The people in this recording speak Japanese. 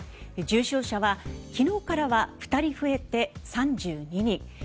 重症者は昨日からは２人増えて３２人。